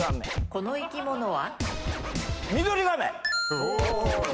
この生き物は？